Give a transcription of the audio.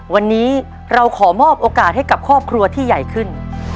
วันนี้เราขอมอบโอกาสให้กับครอบครัวที่ใหญ่ขึ้น